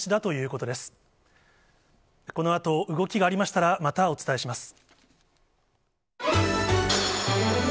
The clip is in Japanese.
このあと動きがありましたら、またお伝えします。